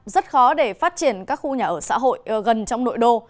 rất khó để phát triển các khu nhà ở xã hội gần trong nội đô